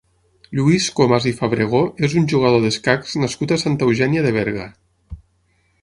Lluís Comas i Fabregó és un jugador d'escacs nascut a Santa Eugènia de Berga.